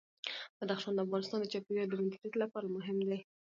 بدخشان د افغانستان د چاپیریال د مدیریت لپاره مهم دي.